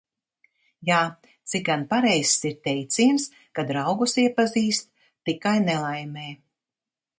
Jā, cik gan pareizs ir teiciens, ka draugus iepazīst tikai nelaimē.